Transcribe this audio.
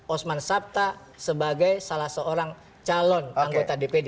osman sabta sebagai salah seorang calon anggota dpd